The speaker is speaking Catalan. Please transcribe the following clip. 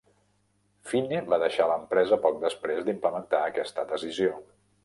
Fine va deixar l'empresa poc després d'implementar aquesta decisió.